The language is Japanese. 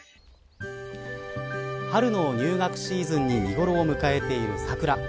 春の入学シーズンに見頃を迎えている桜